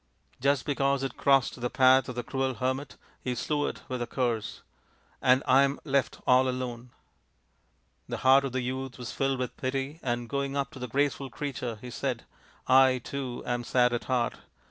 Just because it crossed the path of the cruel hermit he slew it with a curse ! And I am left all alone !" The heart of the youth was filled with pity, and, THE GREAT DROUGHT 265 going up to the graceful creature, he said, " I, too, am sad at heart.